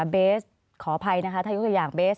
เบสขออภัยนะคะถ้ายกตัวอย่างเบส